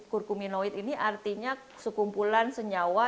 kurkuminoid ini artinya sekumpulan senyawa